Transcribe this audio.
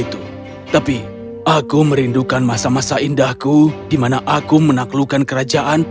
tapi aku merindukan masa masa indahku di mana aku menaklukkan kerajaan